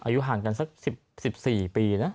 อายุห่างกันสัก๑๔ปีนะ